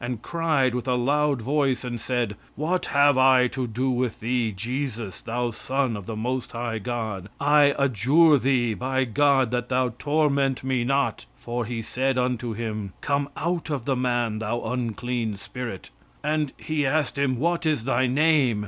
"And cried with a loud voice and said, What have I to do with thee, Jesus, thou Son of the Most High God? I adjure thee by God, that thou torment me not. "(For he said unto him, Come out of the man, thou unclean spirit.) "And he asked him, What is thy name?